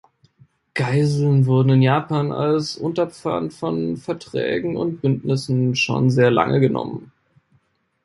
Geiseln wurden in Japan als Unterpfand von Verträgen und Bündnissen schon sehr lange genommen.